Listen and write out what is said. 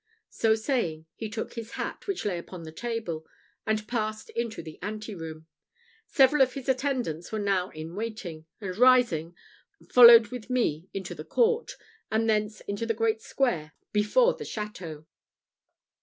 So saying, he took his hat, which lay upon the table, and passed into the anteroom. Several of his attendants were now in waiting, and rising, followed with me into the court, and thence into the great square before the château.